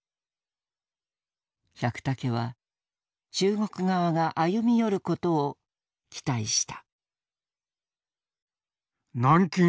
百武は中国側が歩み寄ることを期待した。